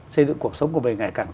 xây dựng cuộc sống của mình ngày càng